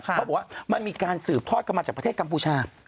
เขาบอกว่ามันมีการสืบทอดกันมาจากประเทศกัมพูชา